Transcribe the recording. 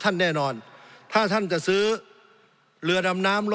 สงบจนจะตายหมดแล้วครับ